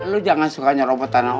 lu jangan suka nyobot tanah